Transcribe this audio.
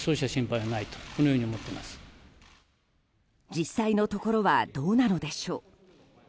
実際のところはどうなのでしょう。